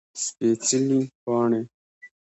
سپيڅلي پاڼې